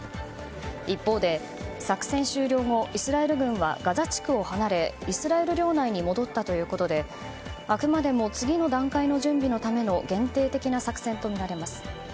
一方で作戦終了後イスラエル軍はガザ地区を離れイスラエル領内に戻ったということであくまでも次の段階の準備のための限定的な作戦とみられます。